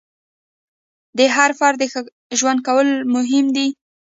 د هر فرد ښه ژوند کول مهم دي.